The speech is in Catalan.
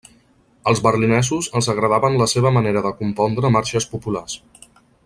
Als berlinesos els agradaven la seva manera de compondre marxes populars.